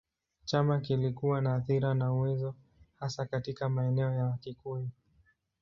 Chama kilikuwa na athira na uwezo hasa katika maeneo ya Wakikuyu.